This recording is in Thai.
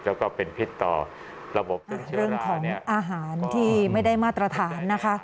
แล้วก็เป็นพิษต่อระบบติดเชื้อราเนี้ยเรื่องของอาหารที่ไม่ได้มาตรฐานนะคะ